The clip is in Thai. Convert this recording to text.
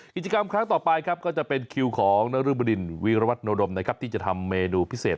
กิจกรรมครั้งต่อไปถือของนนวิรวัตนโดมที่จะทำเมนูพิเศษ